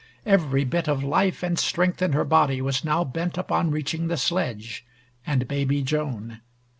Every bit of life and strength in her body was now bent upon reaching the sledge and baby Joan.